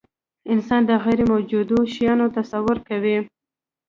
انسان د غیرموجودو شیانو تصور کوي.